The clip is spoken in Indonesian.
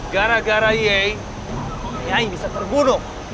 gara gara yei nyai bisa terbunuh